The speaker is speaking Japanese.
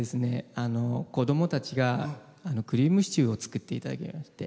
子どもたちがクリームシチューを作ってくれて。